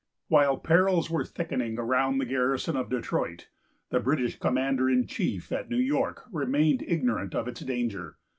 While perils were thickening around the garrison of Detroit, the British commander in chief at New York remained ignorant of its danger.